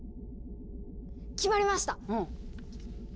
決まりました！せの！